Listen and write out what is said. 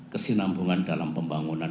kesinambungan dalam pembangunan